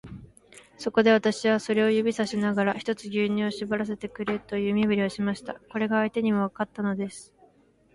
そこで、私はそれを指さしながら、ひとつ牛乳をしぼらせてくれという身振りをしました。これが相手にもわかったのです。